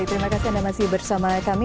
terima kasih anda masih bersama kami